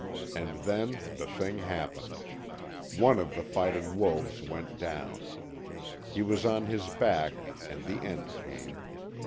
And then the thing happened. One of the fighting wolves went down. He was on his back and the end came.